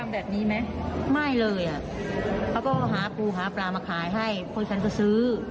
ไม่เหลือเขาก็หาปูหาปลามาขายให้คุณก็ซื้อ